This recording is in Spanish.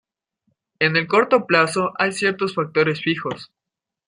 En el corto plazo hay ciertos factores fijos.